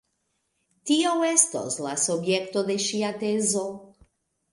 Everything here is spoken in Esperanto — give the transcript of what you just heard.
Tio estos la subjekto de ŝia tezo...